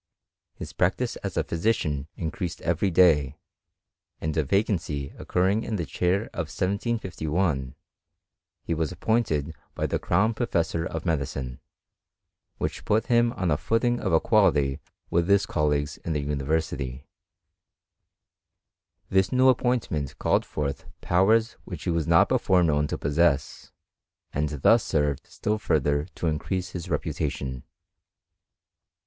I lis practice as a physician increased every day, and a vacancy occurring in the chair in 1751, he was ap pointed by the crown professor of medicine, which put \ CHEMISTRY VX GREAT BRITAIN. 307 him on a footing of equality with his colleagues in the university* This new appointment called forth powers which he was not before known to possess, and thus lenred still further to increase his reputation.